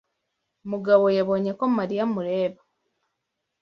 Mugabo yabonye ko Mariya amureba.